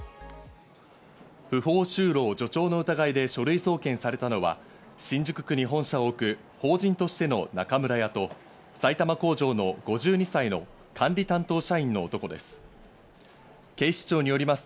不法就労助長の疑いで書類送検されたのは新宿区に本社を置く法人としての中村屋と埼玉工場の５２歳の管理担当社員の男です。